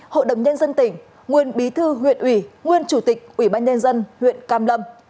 hội đồng nhân dân tỉnh nguyên bí thư huyện ủy nguyên chủ tịch ủy ban nhân dân huyện cam lâm